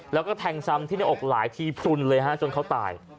แล้วก็แทงซ้ำที่หน้าอกหลายทีพลุนเลยฮะจนเขาตาย